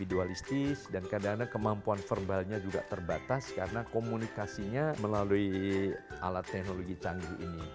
vibualistis dan keadaan kemampuan verbalnya juga terbatas karena komunikasinya melalui alat teknologi canggih ini